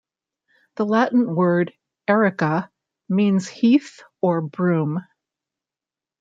The Latin word "erica" means "heath" or "broom".